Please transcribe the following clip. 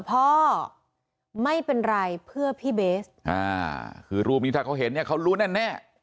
พ่อไม่เป็นไรเพื่อพี่เบสอ่าคือรูปนี้ถ้าเขาเห็นเนี่ยเขารู้แน่